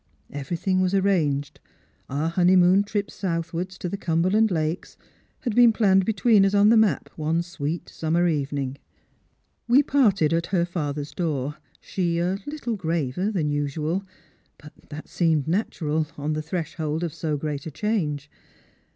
Everything was arranged — our honeymoon trip southwards to the Cumberland lakes had been planned between us on the map one sweet summer evening. We parted at her father's door ; she a little graver than usual — but that seemed natural on the threshold of so great a change.